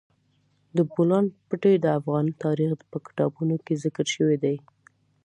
د بولان پټي د افغان تاریخ په کتابونو کې ذکر شوی دي.